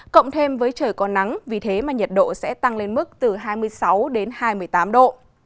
cộng thêm với trời có nắng vì thế mà nhiệt độ sẽ tăng lên mức từ hai mươi sáu đến hai mươi tám độ